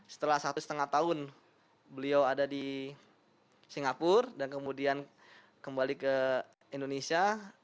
setelah satu setengah tahun beliau ada di singapura dan kemudian kembali ke indonesia